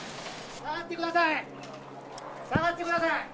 下がってください。